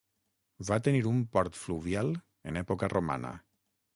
Va tenir un port fluvial en època romana.